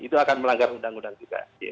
itu akan melanggar undang undang juga